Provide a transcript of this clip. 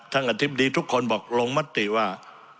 อธิบดีทุกคนบอกลงมติว่า